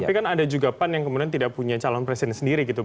tapi kan ada juga pan yang kemudian tidak punya calon presiden sendiri gitu